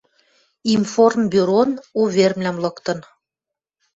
Информбюрон увервлӓм лыктын